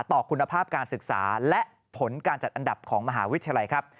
ต่อคุณภาพการศึกษาและผลการจัดอันดับของมหาวิทยาลัยครับ